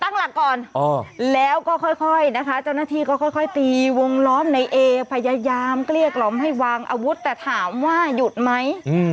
ตั้งหลักก่อนแล้วก็ค่อยนะคะเจ้าหน้าที่ก็ค่อยตีวงล้อมในเอพยายามเกลี้ยกล่อมให้วางอาวุธแต่ถามว่าหยุดไหม